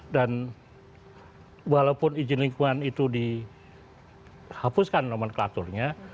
dan walaupun izin lingkungan itu dihapuskan nomenklaturnya